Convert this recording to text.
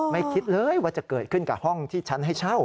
คิดเลยว่าจะเกิดขึ้นกับห้องที่ฉันให้เช่า